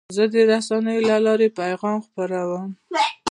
زه د رسنیو له لارې پیغام خپروم.